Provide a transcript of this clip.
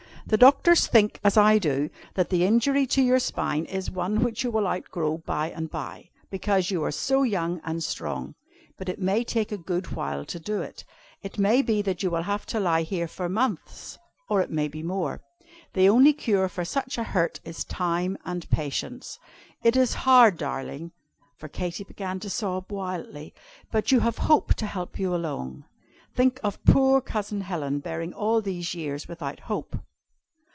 "The doctors think, as I do, that the injury to your spine is one which you will outgrow by and by, because you are so young and strong. But it may take a good while to do it. It may be that you will have to lie here for months, or it may be more. The only cure for such a hurt is time and patience. It is hard, darling" for Katy began to sob wildly "but you have Hope to help you along. Think of poor Cousin Helen, bearing all these years without hope!"